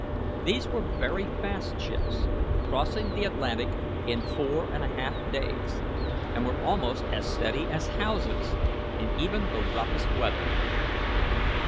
These were very fast ships, crossing the Atlantic in four and a half days, and were almost as steady as houses, in even the roughest weather.